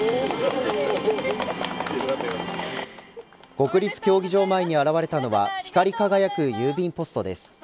国立競技場前に現れたのは光り輝く郵便ポストです。